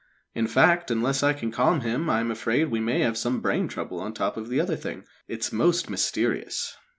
In fact, unless I can calm him I am afraid we may have some brain trouble on top of the other thing. It's most mysterious!"